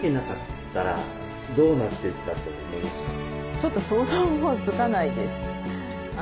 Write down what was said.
ちょっと想像もうつかないです。